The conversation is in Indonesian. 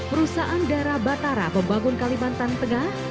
perusahaan darah batara pembangun kalimantan tengah